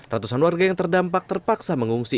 ratusan warga yang terdampak terpaksa mengungsi